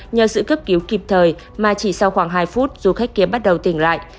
nhờ sự cấp cứu kịp thời mà chỉ sau khoảng hai phút du khách kiếm bắt đầu tỉnh lại